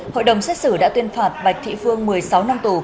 hội đồng xét xử đã tuyên phạt bạch thị phương một mươi sáu năm tù